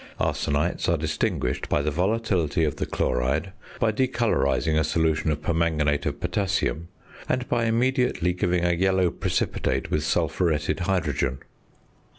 [Illustration FIG. 67.] Arsenites are distinguished by the volatility of the chloride; by decolorising a solution of permanganate of potassium, and by immediately giving a yellow precipitate with sulphuretted hydrogen.